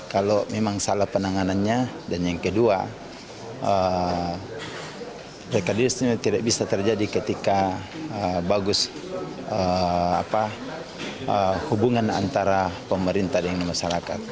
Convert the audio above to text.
kalau memang salah penanganannya dan yang kedua radikalisme tidak bisa terjadi ketika bagus hubungan antara pemerintah dengan masyarakat